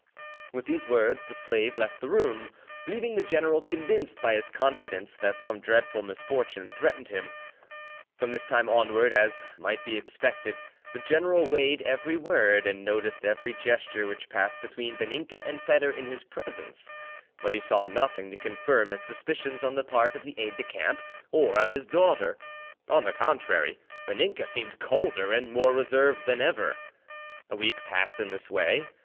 With these words the slave left the room, leaving the general convinced by his confidence that some dreadful misfortune threatened him. From this time onward, as might be expected, the general weighed every word and noticed every gesture which passed between Vaninka and Foedor in his presence; but he saw nothing to confirm his suspicions on the part of the aide de camp or of his daughter; on the contrary, Vaninka seemed colder and more reserved than ever. A week passed in this way.